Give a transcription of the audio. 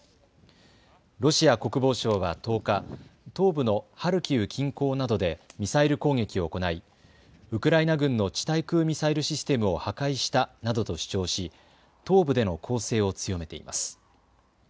ロシア国防省は１０日、東部のハルキウ近郊などでミサイル攻撃を行いウクライナ軍の地対空ミサイルシステムを破壊したなどと主張し東部での攻勢を強めています。